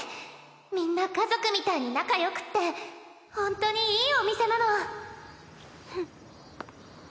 みんな家族みたいに仲よくってほんとにいいお店なのふんっ。